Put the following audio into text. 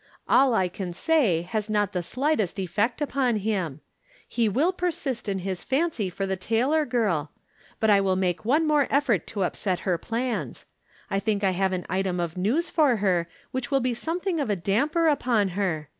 All I can say has not the slightest effect upon him. He will persist in liis fancy for the Taylor girl ; but I will make one more effort to upset her plans. I tliink I have an item of news for her which will be something of a damper upon her.